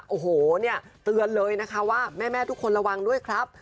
โอ้โหเนี่ยเตือนเลยนะคะว่าแม่ทุกคนระวังด้วยครับ